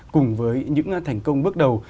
cùng với những thành công bước đầu